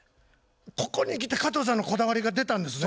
ここにきて加藤さんのこだわりが出たんですね。